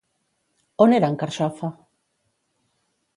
On era en Carxofa?